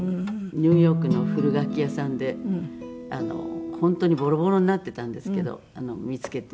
ニューヨークの古楽器屋さんで本当にボロボロになっていたんですけど見つけて。